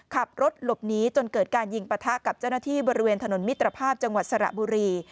ขับรถหลบหนีจนเกิดการยิงปะทะกับเจ้าหน้าที่บริเวณถนนมิตรภาพจังหวัดสระบุรี